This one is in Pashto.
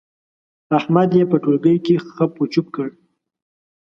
احمد يې په ټولګي کې خپ و چپ کړ.